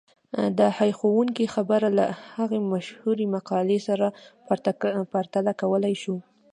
دا هيښوونکې خبره له هغې مشهورې مقولې سره پرتله کولای شو.